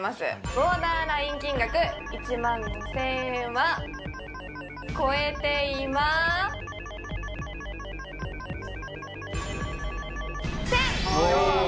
ボーダーライン金額１万５０００円は超えていません！